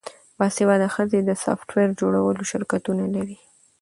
باسواده ښځې د سافټویر جوړولو شرکتونه لري.